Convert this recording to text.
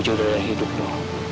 lo juga udah ada yang hidup lo